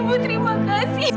ibu terima kasih